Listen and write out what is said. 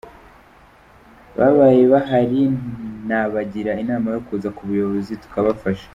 Babaye bahari nabagira inama yo kuza ku buyobozi tukabafasha.